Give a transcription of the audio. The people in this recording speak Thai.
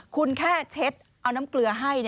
คุณแค่เช็ดเอาน้ำเกลือให้